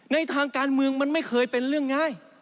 ในทางการเมืองมันไม่เคยเป็นเรื่องง่าย